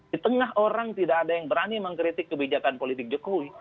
di tengah orang tidak ada yang berani mengkritik kebijakan politik jokowi